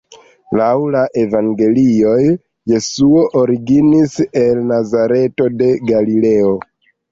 Laŭ la evangelioj, Jesuo originis el Nazareto de Galileo.